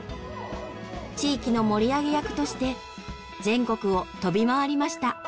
地域の盛り上げ役として全国を飛び回りました。